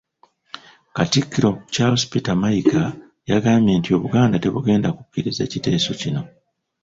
Katikkiro Charles Peter Mayiga yagambye nti Obuganda tebugenda kukkiriza kiteeso kino.